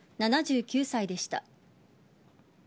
７９歳でした。